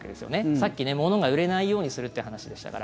さっき物が売れないようにするっていう話でしたから。